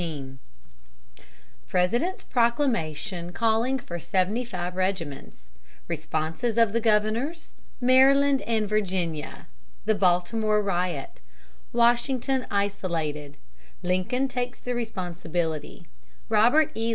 XIV President's Proclamation Calling for Seventy five Regiments Responses of the Governors Maryland and Virginia The Baltimore Riot Washington Isolated Lincoln Takes the Responsibility Robert E.